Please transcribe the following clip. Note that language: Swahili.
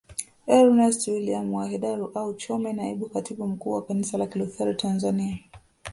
Ernest William wa Hedaru au Chome Naibu Katibu Mkuu wa kanisa la kilutheri Tanzania